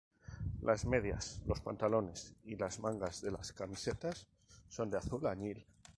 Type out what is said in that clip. Las medias, los pantalones y las mangas de las camisetas son de azul añil.